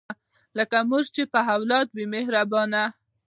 لکه مور چې پر اولاد وي مهربانه